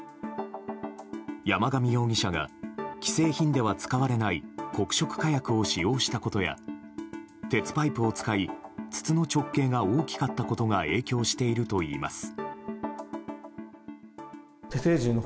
山上容疑者が既製品では使われない黒色火薬を使用したことや鉄パイプを使い筒の直径が大きかったことが影響しているといいます。